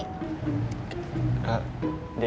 kenal dari mana sama dewi